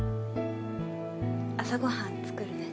朝ごはん作るね。